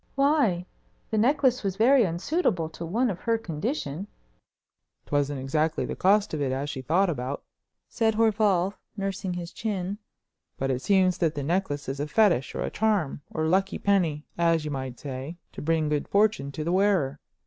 "Why? The necklace was very unsuitable to one of her condition." "'Twasn't exactly the cost of it as she thought about," said Horval, nursing his chin, "but it seems that the necklace is a fetish, or charm, or lucky penny, as you might say, to bring good fortune to the wearer.